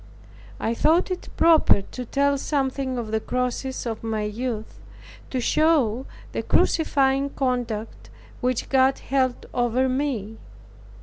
I thought it proper to tell something of the crosses of my youth, to show the crucifying conduct which God held over me.